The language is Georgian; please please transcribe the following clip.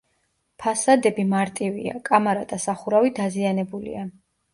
ფასადები მარტივია, კამარა და სახურავი დაზიანებულია.